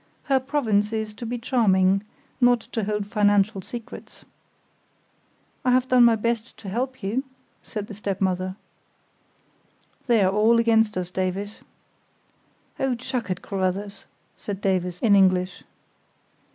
Her province is to be charming, not to hold financial secrets." "I have done my best to help you," said the stepmother. "They're all against us, Davies." "Oh, chuck it, Carruthers!" said Davies, in English.